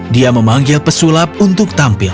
dia memanggil pesulap